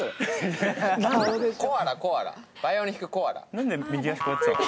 何で右足こうやってたの？